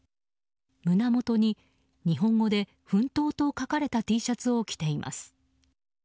胸元に日本語で「奮闘」と書かれたＴシャツを着ています。